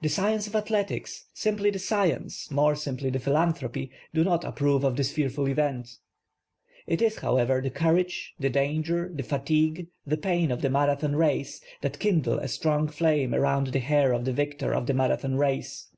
The science of athletics, simply the science, more simply the philanthropy, do not approve of this fearful event ; it is, how i ver. the courage, the danger, the fatigue, the pain of the Mara thon race that kindle a strong flame around the hair of the victor I if the Marathon race.